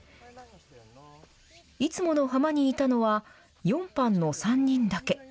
いつもの浜にいたのは、４班の３人だけ。